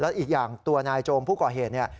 อีกอย่างตัวนายโจมผู้ก่อเหตุเนี่ย